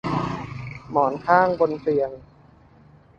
หมอนข้างบนเตียง